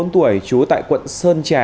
bốn mươi bốn tuổi chú tại quận sơn trà